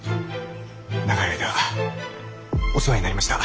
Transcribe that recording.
長い間お世話になりました。